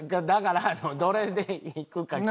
だからどれでいくか。